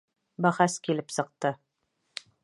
— Бәхәс килеп сыҡты.